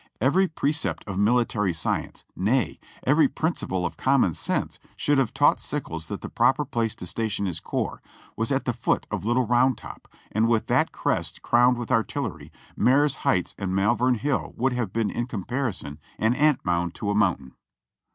Every precept of military science, nay, every prin ciple of common sense should have taught Sickles that the proper place to station his corps was at the foot of Little Round Top, and with that crest crowned with artillery, ]\Iarye's Heights and Malvern Hill would have been in comparison an ant mound to a mountain.